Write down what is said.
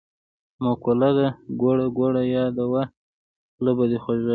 مقوله ده: ګوړه ګوړه یاده وه خوله به دی خوږه وي.